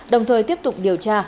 đồng thời tiếp tục điều tra